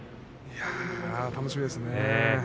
楽しみですね。